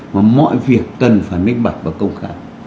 mà mọi việc cần phải minh bạc và công khai